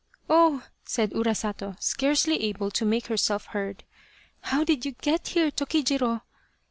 " Oh," said Urasato, scarcely able to make herself heard, " how did you get here, Tokijiro